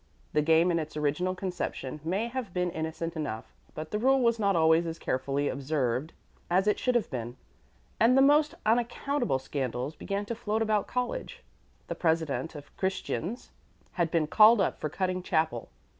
The game in its original conception may have been innocent enough, but the rule was not always as carefully observed as it should have been, and the most unaccountable scandals began to float about college. The president of "Christians" had been called up for cutting chapel.